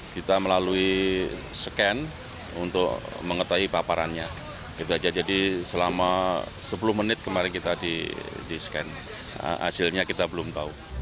kita melalui scan untuk mengetahui paparannya jadi selama sepuluh menit kemarin kita di scan hasilnya kita belum tahu